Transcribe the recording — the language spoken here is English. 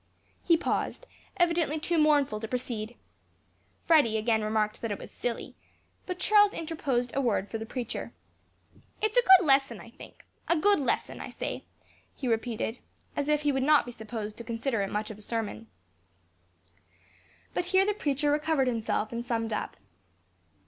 He paused, evidently too mournful to proceed. Freddy again remarked that it was silly; but Charles interposed a word for the preacher. "It's a good lesson, I think. A good lesson, I say," he repeated, as if he would not be supposed to consider it much of a sermon. But here the preacher recovered himself and summed up.